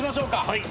はい。